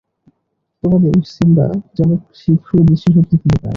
তোমাদের সিম্বা যেন শীঘ্রই দৃষ্টিশক্তি ফিরে পায়।